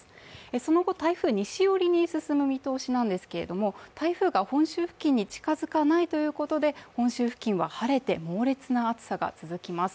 その後、台風、西寄りに進む見込みなんですけれども、台風が本州付近に近づかないということで、本州付近は晴れて猛烈な暑さが続きます。